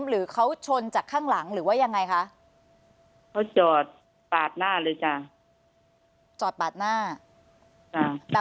หรือเขาชนจากข้างหลังหรือว่ายังไงคะเขาจอดปากหน้าเลยจ้ะ